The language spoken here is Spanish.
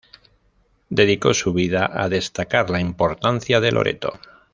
Dedicó su vida a destacar la importancia de Loreto.